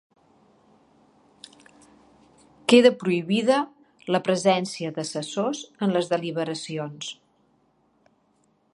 Queda prohibida la presència d'assessors en les deliberacions.